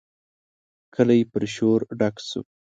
کلی پر شور ډک شو.